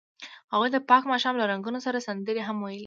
هغوی د پاک ماښام له رنګونو سره سندرې هم ویلې.